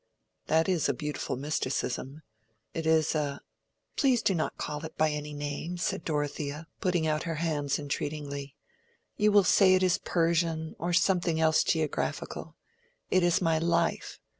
"That is a beautiful mysticism—it is a—" "Please not to call it by any name," said Dorothea, putting out her hands entreatingly. "You will say it is Persian, or something else geographical. It is my life.